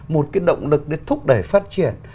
một cái động lực để thúc đẩy phát triển